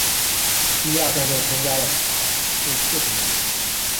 第二战队参加了是次行动。